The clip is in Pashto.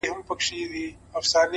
گلاب جانانه ته مي مه هېروه-